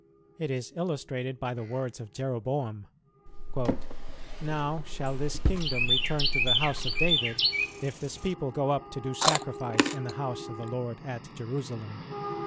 It is illustrated by the words of Jeroboam, "Now shall this kingdom return to the house of David, if this people go up to do sacrifice in the house of the Lord at Jerusalem.